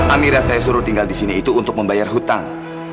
amira saya suruh tinggal di sini itu untuk membayar hutang